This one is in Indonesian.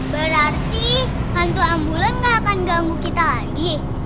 berarti hantu ambulan nggak akan ganggu kita lagi